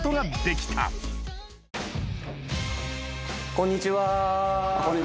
こんにちは。